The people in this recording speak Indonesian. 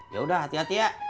ya udah hati hati ya